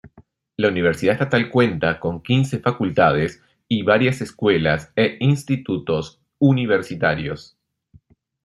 La universidad estatal cuenta con quince facultades y varias escuelas e institutos universitarios.